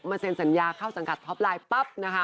เซ็นสัญญาเข้าสังกัดท็อปไลน์ปั๊บนะคะ